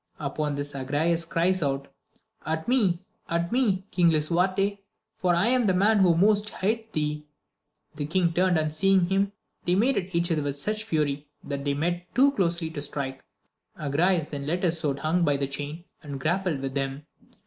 Upon this Agrayes cries out. At me ! at me ! King Lisuarte ! for I am the man who most hateth thee. The king turned, and seeing him, they made at each other with such fury, that they met too closely to strike. Agrayes then let his sword hang by the chain, and grappled with him.